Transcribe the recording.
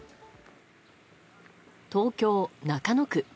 東京・中野区。